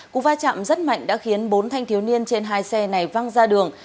cú va chạm rất mạnh đã khiến bốn thanh thiếu niên trên hai xe này văng ra đường